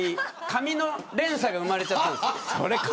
かみの連鎖が生まれちゃったんです。